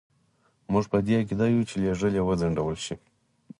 موږ په دې عقیده یو چې لېږل یې وځنډول شي.